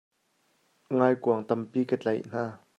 Ngaikuang tampi ka tleih hna.